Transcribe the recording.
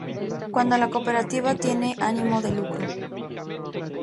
Cuando la cooperativa tiene ánimo de lucro.